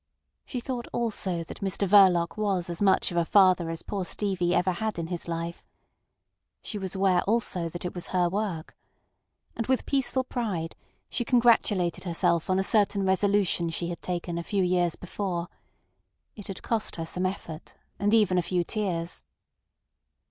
She thought also that Mr Verloc was as much of a father as poor Stevie ever had in his life. She was aware also that it was her work. And with peaceful pride she congratulated herself on a certain resolution she had taken a few years before. It had cost her some effort, and even a few tears.